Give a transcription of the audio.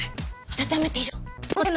温めているの？